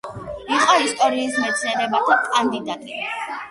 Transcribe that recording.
იყო ისტორიის მეცნიერებათა კანდიდატი.